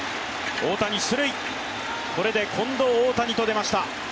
大谷、出塁、これで近藤、大谷と出ました。